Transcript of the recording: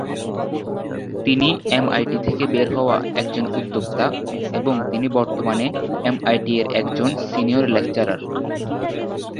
তিনি এমআইটি থেকে বের হওয়া একজন উদ্যোক্তা এবং তিনি বর্তমানে এমআইটি এর একজন সিনিয়র লেকচারার।